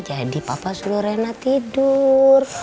jadi papa suruh rena tidur